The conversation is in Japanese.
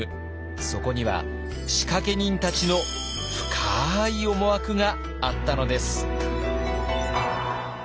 そこには仕掛け人たちの深い思惑があったのです。